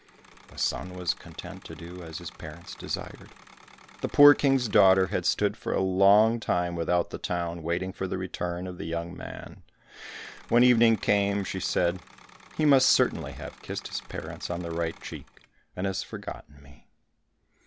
The son was content to do as his parents desired." The poor King's daughter had stood for a long time without the town waiting for the return of the young man. When evening came, she said, "He must certainly have kissed his parents on the right cheek, and has forgotten me."